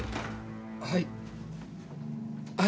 はい。